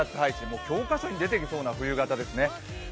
教科書に出てきそうな冬型ですね。